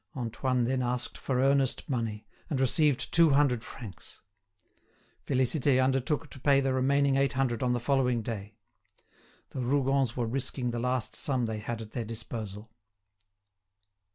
Antoine then asked for earnest money, and received two hundred francs. Félicité undertook to pay the remaining eight hundred on the following day. The Rougons were risking the last sum they had at their disposal.